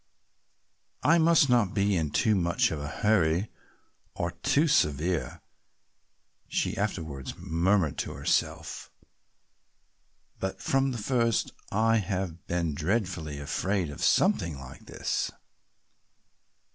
"I must not be in too much of a hurry or too severe," she afterwards murmured to herself, "but from the first I have been dreadfully afraid of something like this."